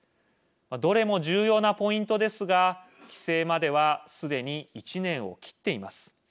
どれも重要なポイントですが規制まではすでに１年を切っています。